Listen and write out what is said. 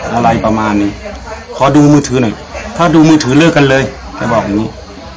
อะไรประมาณนี้ขอดูมือถือหน่อยถ้าดูมือถือเลิกกันเลยแกบอกอย่างงี้